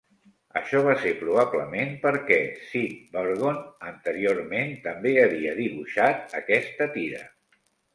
Això va ser probablement perquè Sid Burgon anteriorment també havia dibuixat aquesta tira.